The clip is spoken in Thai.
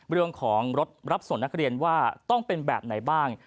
เรื่องของรถรับส่งนักเรียนว่าต้องเป็นแบบไหนบ้าง